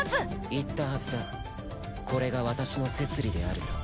言ったはずだこれが私のセツリであると。